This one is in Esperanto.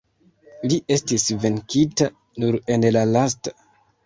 Li estis venkita nur en la lasta.